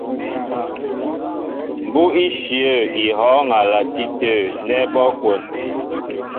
Mbú' íshyə̂ í hɔ́ɔ́ŋ a lati tə̂ nɛ́ abɔ́' kwón.